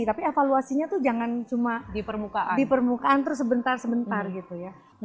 tapi evaluasinya tuh jangan cuma di permukaan terus sebentar sebentar gitu ya